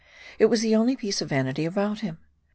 It was the only piece of vanity about him.